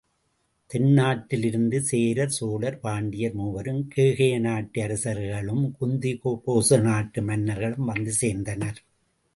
தென்னாட்டில் இருந்து சேரர், சோழர், பாண்டியர் மூவரும், கேகய நாட்டு அரசர்களும், குந்திபோச நாட்டு மன்னர்களும் வந்து சேர்ந்தனர்.